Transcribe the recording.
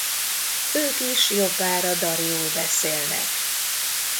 Ők is jobbára dariul beszélnek.